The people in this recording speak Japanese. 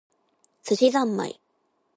寿司ざんまい